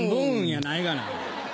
やないがな。